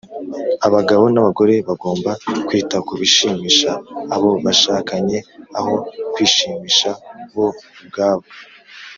Abagabo n abagore bagomba kwita ku bishimisha abo bashakanye aho kwishimisha bo ubwabo